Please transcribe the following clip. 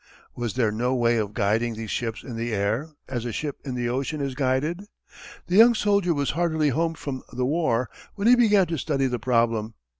Was there no way of guiding these ships in the air, as a ship in the ocean is guided? The young soldier was hardly home from the war when he began to study the problem.